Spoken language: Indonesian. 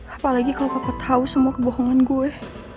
apalagi kalo papa tau semua kebohongan gue